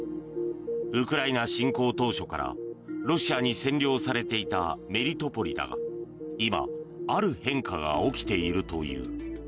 ウクライナ侵攻当初からロシアに占領されていたメリトポリだが今、ある変化が起きているという。